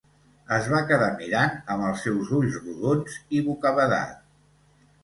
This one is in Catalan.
Es va quedar mirant amb els seus ulls rodons i bocabadat.